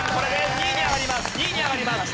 ２位に上がります。